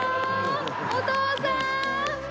お父さーん！